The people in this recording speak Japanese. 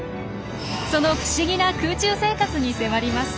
その不思議な空中生活に迫ります！